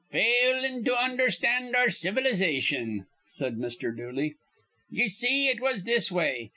"Failin' to undherstand our civilization," said Mr. Dooley. "Ye see, it was this way.